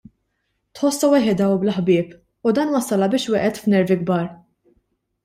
Tħossha waħedha u bla ħbieb u dan wassalha biex waqgħet f'nervi kbar.